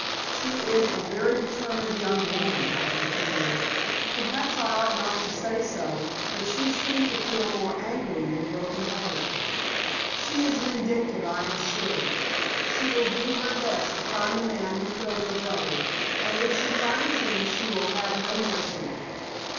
"She is a very determined young woman," I continued. "Perhaps I ought not to say so, but she seemed to feel more angry than broken hearted. She is vindictive, I am sure. She will do her best to find the man who killed her brother, and if she finds him she will have no mercy."